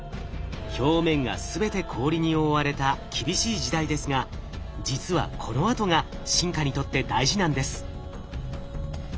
表面が全て氷に覆われた厳しい時代ですが実はこのあとが進化にとって大事なんです。